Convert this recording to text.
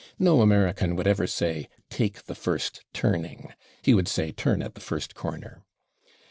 No American would ever say "take the first turning"; he would say "turn at the first corner."